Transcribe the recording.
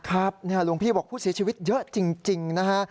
หลวงพี่บอกผู้เสียชีวิตเยอะจริงนะฮะ